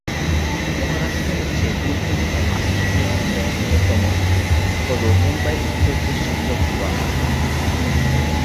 মহারাষ্ট্র সবচেয়ে গুরুত্বপূর্ণ আসনগুলির মধ্যে অন্যতম হল মুম্বাই উত্তর পশ্চিম লোকসভা আসন।